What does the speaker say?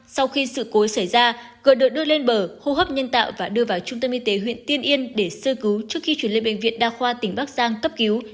sau khi sự cố xảy ra cường được đưa lên bờ hô hấp nhân tạo và đưa vào trung tâm y tế huyện tiên yên để sơ cứu trước khi chuyển lên bệnh viện đa khoa tỉnh bắc giang cấp cứu